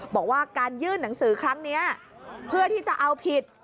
บอกว่าการยื่นหนังสือครั้งนี้เพื่อที่จะเอาผิด